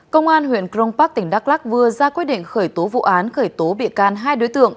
công an huyện crong park tỉnh đắk lắc vừa ra quyết định khởi tố vụ án khởi tố bị can hai đối tượng